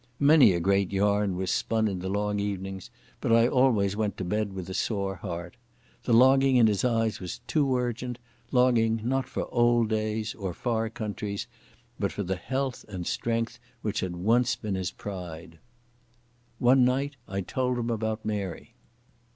Many a great yarn we spun in the long evenings, but I always went to bed with a sore heart. The longing in his eyes was too urgent, longing not for old days or far countries, but for the health and strength which had once been his pride. One night I told him about Mary.